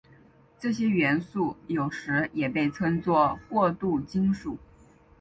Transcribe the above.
这些元素有时也被称作过渡金属。